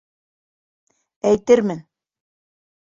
Әйтермен.